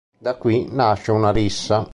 Da qui, nasce una rissa.